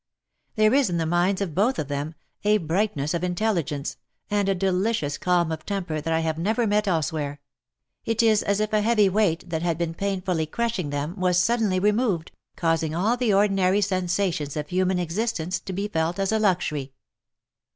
There is in the minds of both of them, a bright ness of intelligence, and a delicious calm of temper that I have never met elsewhere. It is as if a heavy weight that had been painfully crushing them, was suddenly removed, causing all the ordinary sen sations of human existence to be felt as a luxury.